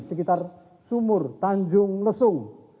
sekitar sumur tanjung lesung